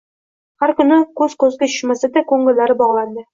Har kuni ko`z-ko`zga tushmasa-da, ko`ngillari bog`landi